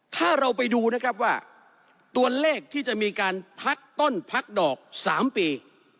ถ้าเราไปดูนะครับว่าตัวเลขที่จะมีการพักต้นพักดอก๓ปี